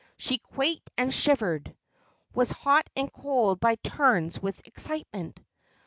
She quaked and shivered, was hot and cold by turns with excitement.